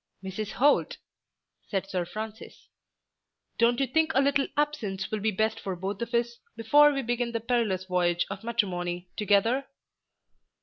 "Mrs. Holt," said Sir Francis, "don't you think a little absence will be best for both of us, before we begin the perilous voyage of matrimony together?"